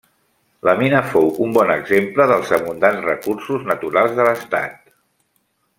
La mina fou un bon exemple dels abundants recursos naturals de l'estat.